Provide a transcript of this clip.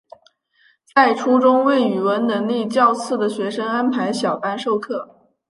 在初中为语文能力较次的学生安排小班授课。